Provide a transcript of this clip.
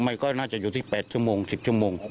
มาย๒๐มันก็อาจจะอยู่ที่๘ชั่วโมง๑๐ชั่วโมง